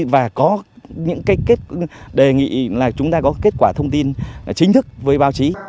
và có những cái đề nghị là chúng ta có kết quả thông tin chính thức với báo chí